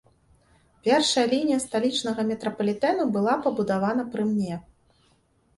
Першая лінія сталічнага метрапалітэну была пабудавана пры мне.